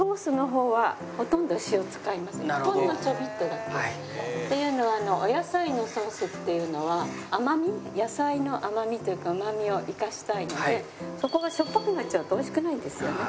ほんのちょびっとだけ。っていうのはお野菜のソースっていうのは甘み野菜の甘みというかうまみを生かしたいのでそこがしょっぱくなっちゃうと美味しくないんですよね。